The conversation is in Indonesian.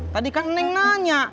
tadi kan neng nanya